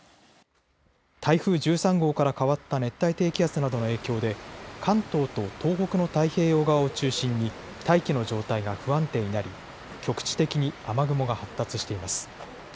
台風１３号から変わった熱帯低気圧などの影響で関東と東北の太平洋側を中心に大気の状態が不安定になり局地的に雨雲が発達しています。